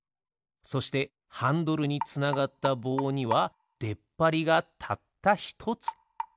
そしてハンドルにつながったぼうにはでっぱりがたったひとつ。